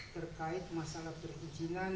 terkait masalah perizinan